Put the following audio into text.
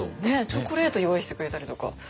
チョコレート用意してくれたりとか。